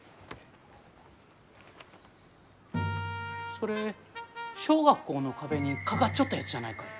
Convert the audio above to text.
それ小学校の壁に掛かっちょったやつじゃないかえ？